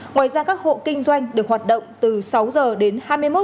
ngoài ra các hộ kinh doanh được hoạt động từ sáu h đến hai mươi một h